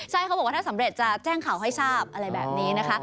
ใช่เขาบอกว่าถ้าสำเร็จจะแจ้งข่าวให้ทราบอะไรแบบนี้นะคะ